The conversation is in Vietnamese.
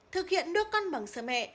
thực hiện đuốc con bằng sữa mẹ